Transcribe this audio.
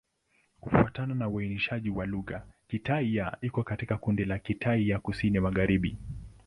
Kufuatana na uainishaji wa lugha, Kitai-Ya iko katika kundi la Kitai ya Kusini-Magharibi.